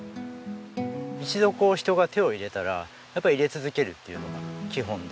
一度こう人が手を入れたらやっぱり入れ続けるっていうのが基本で。